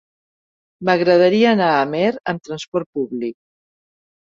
M'agradaria anar a Amer amb trasport públic.